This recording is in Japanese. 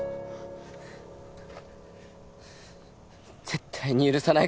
絶対に許さないからな！